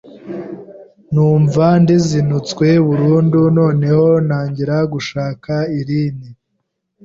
numva ndizinutswe burundu noneho ntangira gushaka irin